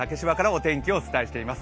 お天気をお伝えしています。